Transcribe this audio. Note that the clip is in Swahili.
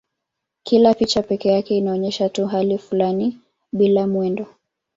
Kila picha pekee yake inaonyesha tu hali fulani bila mwendo.